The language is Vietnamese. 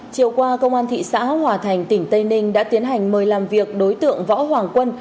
chiều qua công an thị xã hòa thành tỉnh tây ninh đã tiến hành mời làm việc đối tượng võ hoàng quân